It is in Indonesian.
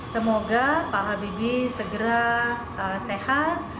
semoga pak habibie segera sehat